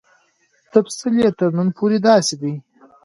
تفصیل یې تر نن پورې داسې دی.